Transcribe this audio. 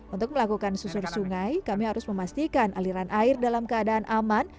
untuk melakukan susur sungai kami harus memastikan aliran air dalam keadaan aman